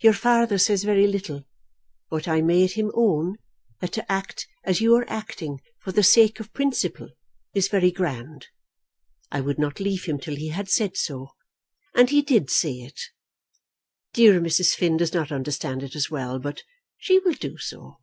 Your father says very little, but I made him own that to act as you are acting for the sake of principle is very grand. I would not leave him till he had said so, and he did say it. Dear Mrs. Finn does not understand it as well, but she will do so.